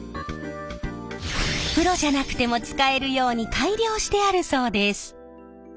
プロじゃなくても使えるように改良してあるそうです。